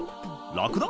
ラクダ？